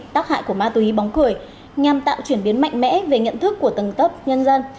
tác hại của ma túy bóng cười nhằm tạo chuyển biến mạnh mẽ về nhận thức của tầng lớp nhân dân